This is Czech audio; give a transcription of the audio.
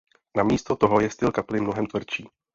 Na místo toho je styl kapely mnohem tvrdší.